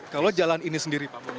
kalau jalan ini sendiri pak